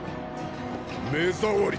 目障りだ。